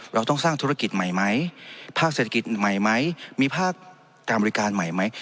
เราต้องสร้างธุรกิจใหม่ไหมภาคเศรษฐกิจใหม่ไหมมีภาคการบริการใหม่ไหม